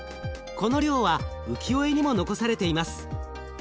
この漁は浮世絵にも残されています。